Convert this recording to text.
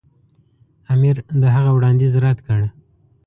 امیر د هغه وړاندیز رد کړ.